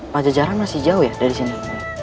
pajajaran masih jauh ya dari sini